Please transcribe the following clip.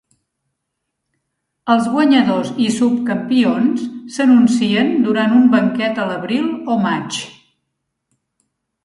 Els guanyadors i subcampions s'anuncien durant un banquet a l'abril o maig.